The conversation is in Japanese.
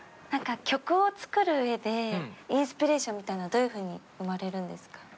曲を作るうえでインスピレーションみたいなどういうふうに生まれるんですか？